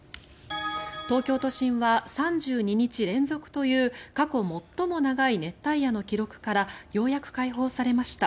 東京都心は３２日連続という過去最も長い熱帯夜の記録からようやく解放されました。